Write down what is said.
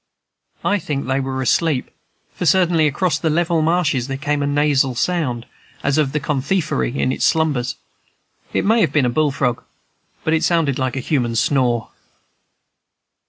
I think they were asleep, for certainly across the level marshes there came a nasal sound, as of the "Con thieveracy" in its slumbers. It may have been a bull frog, but it sounded like a human snore.